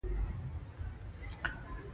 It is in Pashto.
که انجلۍ وي، میړه کول یې موخه وي.